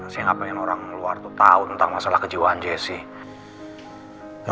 saya gak pengen orang luar tuh tau tentang masalah kejiwaan jesse